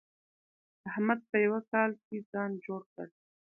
احمد په يوه کال کې ځان جوړ کړ.